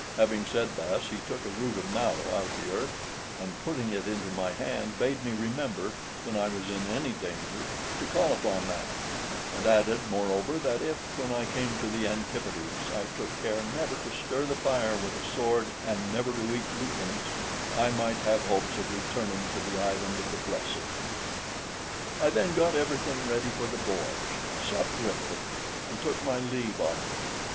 Having said thus, he took a root of mallow out of the earth, and putting it into my hand, bade me remember, when I was in any danger, to call upon that; and added, moreover, that if, when I came to the Antipodes, I took care "never to stir the fire with a sword, and never to eat lupines," I might have hopes of returning to the Island of the Blessed. I then got everything ready for the voyage, supped with, and took my leave of them.